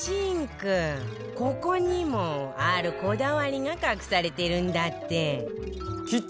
ここにもあるこだわりが隠されてるんだって